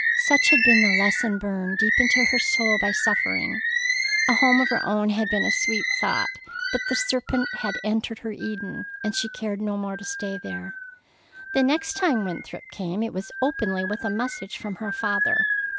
Such had been the lesson burned deep into her soul by suffering. A home of her own had been a sweet thought, but the serpent had entered her Eden, and she cared no more to stay there. The next time Winthrop came it was openly, with a message from her father.